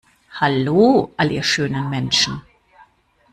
Hallo, all ihr schönen Menschen.